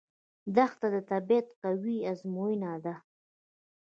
دښته د طبیعت قوي ازموینه ده.